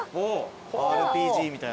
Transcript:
ＲＰＧみたいな。